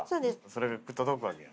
それが届くわけや。